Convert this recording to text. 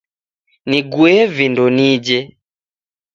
Nigue vindo nije.